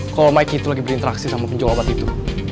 kalau mike itu lagi berinteraksi sama penjual obat itu